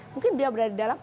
mungkin dia berada di dalam